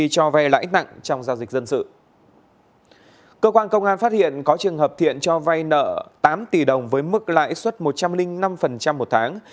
cơ quan công an phát hiện có trường hợp thiện cho vay nợ tám tỷ đồng với mức lãi suất một trăm linh năm một tháng